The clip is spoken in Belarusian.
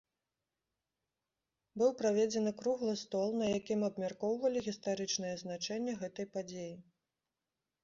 Быў праведзены круглы стол, на якім абмяркоўвалі гістарычнае значэнне гэтай падзеі.